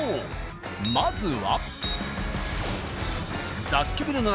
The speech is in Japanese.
まずは。